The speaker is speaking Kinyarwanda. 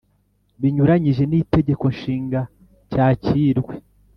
Binyuranyije n itegeko nshinga cyakirwe